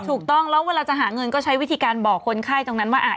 ถูกต้องแล้วเวลาจะหาเงินก็ใช้วิธีการบอกคนไข้ตรงนั้นว่า